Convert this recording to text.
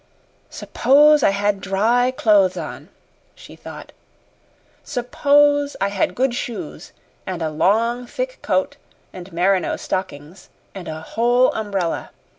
"Suppose I had dry clothes on," she thought. "Suppose I had good shoes and a long, thick coat and merino stockings and a whole umbrella.